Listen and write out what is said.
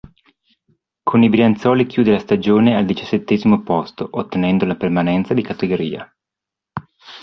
Con i brianzoli chiude la stagione al diciassettesimo posto, ottenendo la permanenza di categoria.